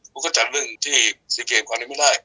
มันก็จัดเรื่องที่๔เกมกว่านี้ไม่ได้